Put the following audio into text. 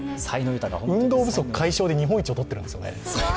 運動不足解消で日本一をとっているんですよね。